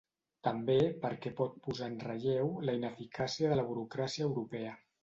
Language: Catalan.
També perquè pot posar en relleu la ineficàcia de la burocràcia europea.